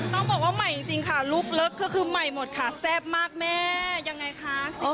ต้องบอกว่าใหม่จริงค่ะลูกเลิฟก็คือใหม่หมดค่ะแซ่บมากแม่ยังไงคะ